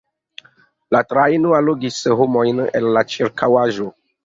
La trajno allogis homojn el la ĉirkaŭaĵo.